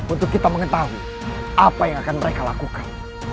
untuk kita mengetahui apa yang akan mereka lakukan